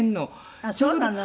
あっそうなの？